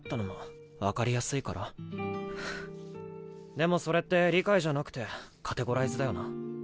でもそれって理解じゃなくてカテゴライズだよな。